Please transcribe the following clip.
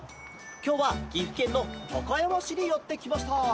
きょうはぎふけんのたかやましにやってきました！